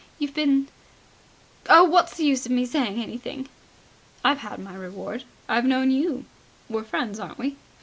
.. You've been ... oh, what's the use of me saying anything?" "I've had my reward. I've known you. We're friends, aren't we?"